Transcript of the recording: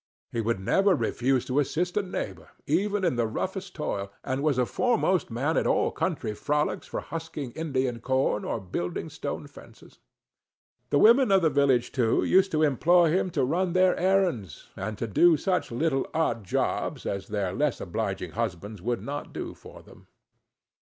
He would never refuse to assist a neighbor even in the roughest toil, and was a foremost man at all country frolics for husking Indian corn, or building stone fences; the women of the village, too, used to employ him to run their errands, and to do such little odd jobs as their less obliging husbands would not do for them.